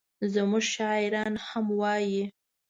زموږ شاعران هم وایي.